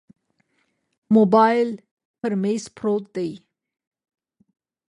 موبایل پر مېز پروت دی.